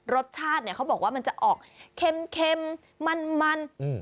รสชาติเนี่ยเขาบอกว่ามันจะออกเค็มมันมันอืม